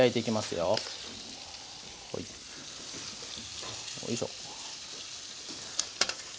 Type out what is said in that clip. よいしょ。